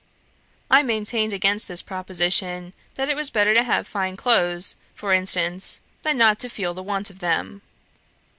I maintained, against this proposition, that it was better to have fine clothes, for instance, than not to feel the want of them.